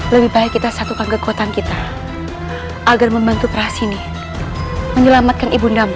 lebih baik kita satukan kekuatan kita agar membantu prahasini menyelamatkan ibundamu